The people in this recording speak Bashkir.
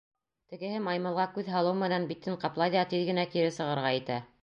Тегеһе маймылға күҙ һалыу менән битен ҡаплай ҙа тиҙ генә кире сығырға итә.